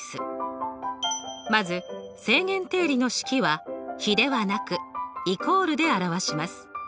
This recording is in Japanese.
まず正弦定理の式は比ではなくイコールで表します。